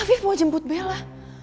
afif mau jemput bella